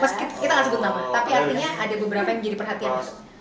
mas kita nggak sebut nama tapi artinya ada beberapa yang menjadi perhatian mas